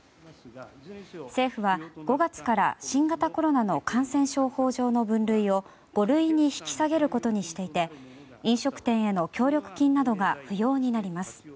政府は５月からの新型コロナの感染症法上の分類を五類に引き下げることにしていて飲食店への協力金などが不要になります。